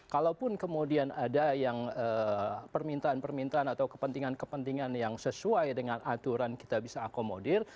kalaupun kemudian ada yang permintaan permintaan atau kepentingan kepentingan yang sesuai dengan aturan kita bisa akomodir